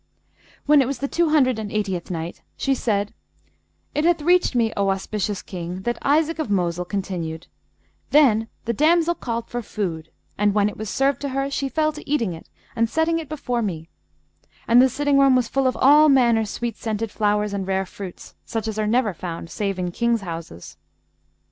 When it was the Two Hundred and Eightieth Night, She said, It hath reached me, O auspicious King, that Isaac of Mosul continued, "Then the damsel called for food and, when it was served to her, she fell to eating it and setting it before me; and the sitting room was full of all manner sweet scented flowers and rare fruits, such as are never found save in Kings' houses.